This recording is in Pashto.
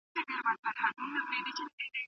ده د سولې ساتنه بريا بلله.